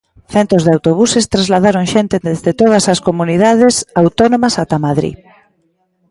Centos de autobuses trasladaron xente desde todas as comunidades autónomas ata Madrid.